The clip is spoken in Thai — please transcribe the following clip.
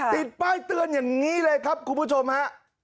ติดป้ายเตือนอย่างนี้เลยครับคุณผู้ชมฮะ